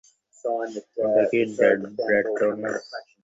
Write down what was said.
ওটা কি ড্রেডনোটাস?